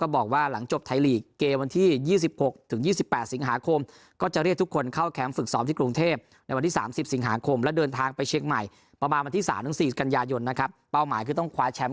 สามหรือสี่กัญญายนต์นะครับเป้าหมายคือต้องคว้าแชมป์